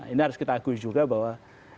ini harus kita akui juga bahwa